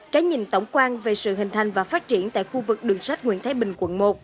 cái nhìn tổng quan về sự hình thành và phát triển tại khu vực đường sách nguyễn thái bình quận một